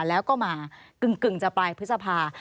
แล้วก็มากึ่งจะปลายพฤษภา